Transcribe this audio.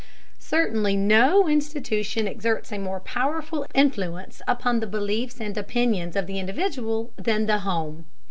Certainly no institution exerts a more powerful influence upon the beliefs and opinions of the individual than the home.